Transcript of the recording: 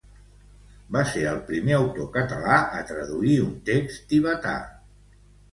Va ser el primer autor català a traduir un text tibetà.